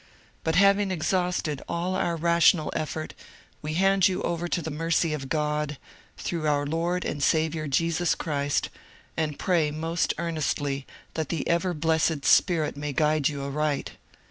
But having exhausted all our rational effort, we hand you over to the mercy of God, through our Lord and Saviour Jesus Christ, and pray most earnestly that the ever blessed Spirit may guide you aright.